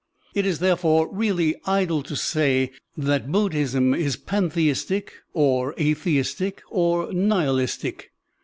It is, therefore, really idle to say that Buddhism is pantheistic or atheistic or nihilistic.